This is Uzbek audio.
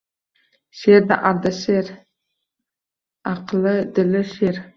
She’rda — Ardasher, aqli, dili sher.